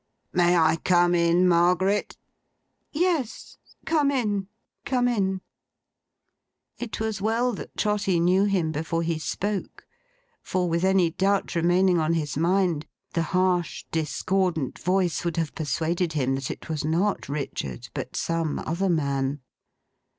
'May I come in, Margaret?' 'Yes! Come in. Come in!' It was well that Trotty knew him before he spoke; for with any doubt remaining on his mind, the harsh discordant voice would have persuaded him that it was not Richard but some other man.